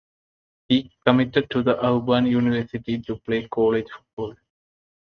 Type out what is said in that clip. He committed to the Auburn University to play college football.